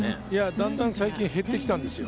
だんだん最近減ってきたんですよ。